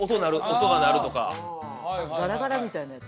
ガラガラみたいなやつ？